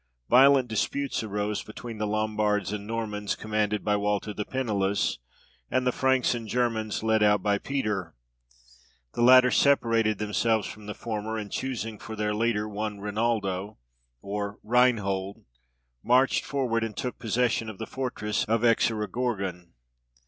Violent disputes arose between the Lombards and Normans commanded by Walter the Pennyless, and the Franks and Germans led out by Peter. The latter separated themselves from the former, and, choosing for their leader one Reinaldo, or Reinhold, marched forward, and took possession of the fortress of Exorogorgon.